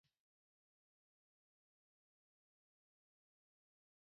هغه ځایونه چې پخوا د حاجیانو دمې او استوګنې لپاره جوړ شوي.